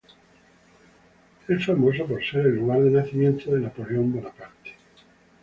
Es famoso por ser el lugar de nacimiento de Napoleón Bonaparte.